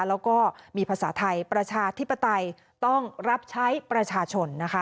แล้วก็มีภาษาไทยประชาธิปไตยต้องรับใช้ประชาชนนะคะ